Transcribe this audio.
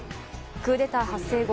クーデター発生後